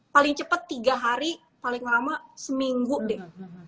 paling cepat tiga hari paling lama seminggu deh